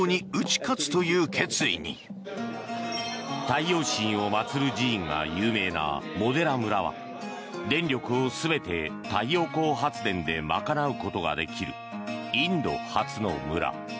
太陽神を祭る寺院が有名なモデラ村は電力を全て太陽光発電で賄うことができるインド初の村。